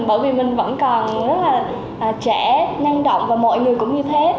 bởi vì mình vẫn còn rất là trẻ năng động và mọi người cũng như thế